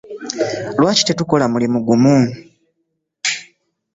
Lwaki tetukola mulimu gumu?